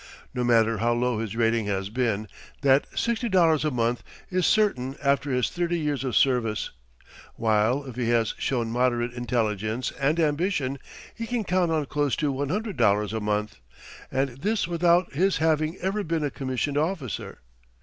No matter how low his rating has been, that $60 a month is certain after his thirty years of service; while, if he has shown moderate intelligence and ambition, he can count on close to $100 a month, and this without his having ever been a commissioned officer.